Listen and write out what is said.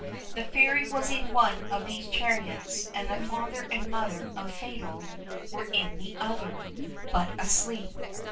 The Fairy was in one of these chariots, and the father and mother of Fatal were in the other, but asleep.